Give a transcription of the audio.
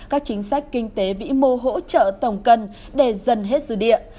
các chính sách kinh tế vĩ mô hỗ trợ tổng cần để dần hết dư địa